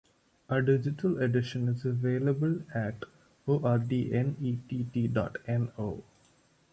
A digital edition is available at Ordnett.no.